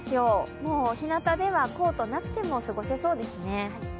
もうひなたではコートがなくても過ごせそうですね。